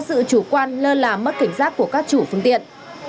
sự chủ quan lơ là mất cảnh giác của các chủ phương tiện